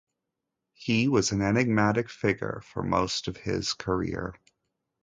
He was an enigmatic figure for most of his career.